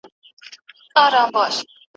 په اتڼونو کي زلمي، پر ګودرونو نجوني